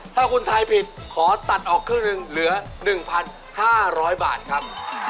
ถ้าคุณทายผิดขอตัดออกครึ่งหนึ่งเหลือ๑๕๐๐บาทครับ